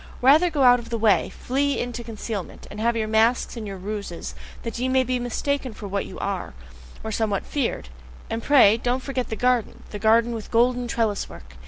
Rather go out of the way! Flee into concealment! And have your masks and your ruses, that ye may be mistaken for what you are, or somewhat feared! And pray, don't forget the garden, the garden with golden trellis work!